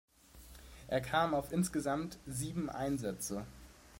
Er kam auf insgesamt sieben Einsätze.